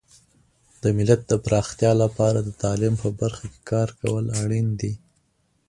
د ملت د پراختیا لپاره د تعلیم په برخه کې کار کول اړین دي.